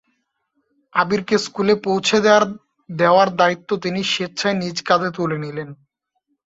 আবিরকে স্কুলে পৌঁছে দেওয়ার দেওয়ার দায়িত্ব তিনি স্বেচ্ছায় নিজ কাঁধে তুলে নিলেন।